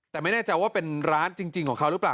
แต่ไม่แน่ใจว่าเป็นร้านจริงของเขาหรือเปล่า